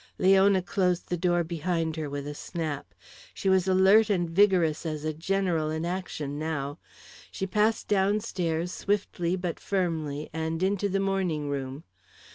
Leona closed the door behind her with a snap. She was alert and vigorous as a general in action now. She passed downstairs swiftly but firmly, and into the morning room.